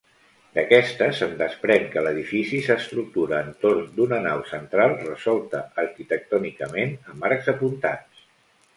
D'aquesta se'n desprèn que l'edifici s'estructura entorn d'una nau central resolta arquitectònicament amb arcs apuntats.